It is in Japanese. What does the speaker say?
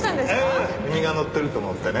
ああ君が乗ってると思ってね。